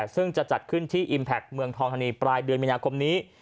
ซึ่งจะจัดขึ้นที่อิมแพคเมืองทองธานีปลายเดือนมีนาคมนี้